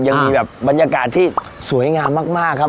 ยังมีแบบบรรยากาศที่สวยงามมากครับ